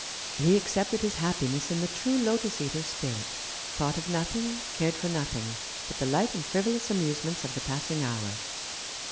He accepted his happiness in the true lotus eater's spirit — thought of nothing, cared for nothing, but the light and frivolous amusements of the passing hour.